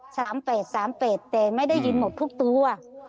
แปดสามแปดแต่ไม่ได้ยินหมดทุกตัว